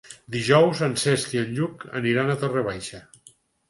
Dijous en Cesc i en Lluc aniran a Torre Baixa.